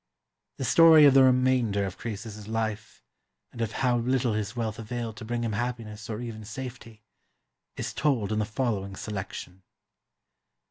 The story of the remainder of Croesus's life and of how little his wealth availed to bring him happiness or even safety, is told in the following selection.